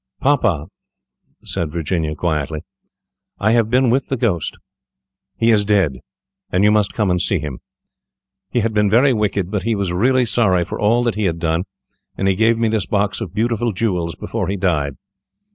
"Papa," said Virginia, quietly, "I have been with the Ghost. He is dead, and you must come and see him. He had been very wicked, but he was really sorry for all that he had done, and he gave me this box of beautiful jewels before he died."